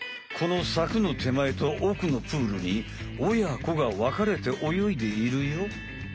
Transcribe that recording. このさくのてまえと奥のプールに親子がわかれて泳いでいるよ。